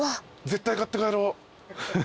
絶対買って帰ろう。